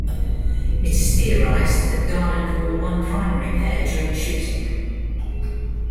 It is theorized that Garland wore one primary pair during shooting.